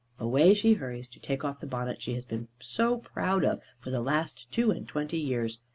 Away she hurries to take off the bonnet she has been so proud of, for the last two and twenty years.